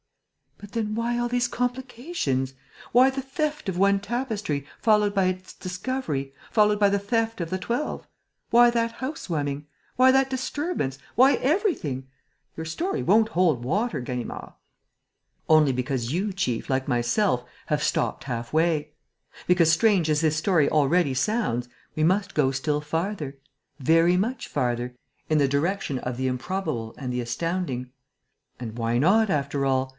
"But then why all these complications? Why the theft of one tapestry, followed by its recovery, followed by the theft of the twelve? Why that house warming? Why that disturbance? Why everything? Your story won't hold water, Ganimard." "Only because you, chief, like myself, have stopped halfway; because, strange as this story already sounds, we must go still farther, very much farther, in the direction of the improbable and the astounding. And why not, after all?